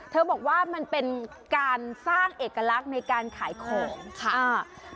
บอกว่ามันเป็นการสร้างเอกลักษณ์ในการขายของค่ะอ่า